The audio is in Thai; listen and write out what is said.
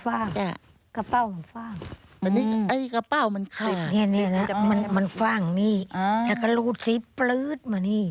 โอ้อยากกำลังรูดซีปกปรื๊ดมานี่